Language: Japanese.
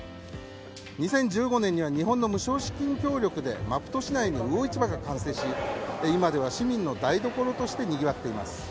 ２０１５年には日本の無償資金協力でマプト市内の魚市場が完成し、今では市民の台所としてにぎわっています。